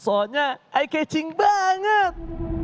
soalnya eye catching banget